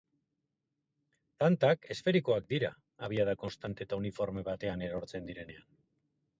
Tantak, esferikoak dira, abiada konstante edo uniforme batean erortzen direnean.